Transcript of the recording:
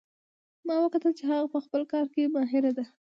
ما وکتل چې هغه په خپل کار کې ماهر ده